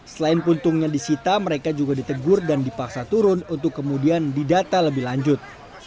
selain puntungnya disita mereka juga ditegur dan dipaksa turun untuk kemudian didata lebih lanjut